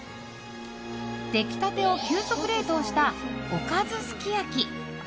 出来たてを急速冷凍したおかずすき焼。